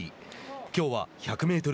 きょうは１００メートル